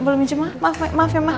belum aja maaf ya